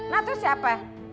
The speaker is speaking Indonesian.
nah tuh siapa